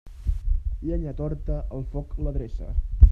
Llenya torta, el foc l'adreça.